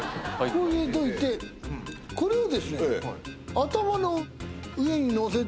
こう入れといてこれを。